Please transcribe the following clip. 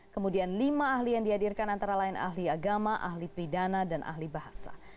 kemudian lima ahli yang dihadirkan antara lain ahli agama ahli pidana dan ahli bahasa